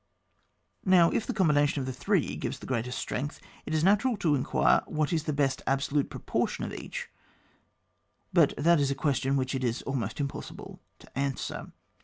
Now, if the combination of the three g^ves the greatest strength, it is natural to inquire what is the best absolute pro portion of each, but that is a question which it is almost impossible to answer.